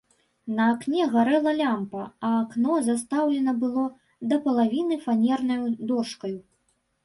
На акне гарэла лямпа, а акно застаўлена было да палавіны фанернаю дошкаю.